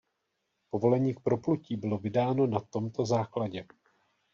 Povolení k proplutí bylo vydáno na tomto základě.